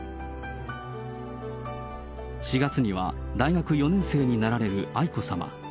４月には大学４年生になられる愛子さま。